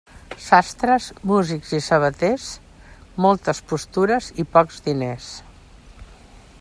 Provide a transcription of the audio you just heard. Sastres, músics i sabaters, moltes postures i pocs diners.